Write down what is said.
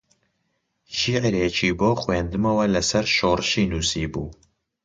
شیعرێکی بۆ خوێندمەوە لەسەر شۆڕشی نووسیبوو